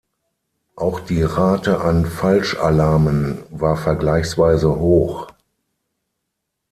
Auch die Rate an Falsch-Alarmen war vergleichsweise hoch.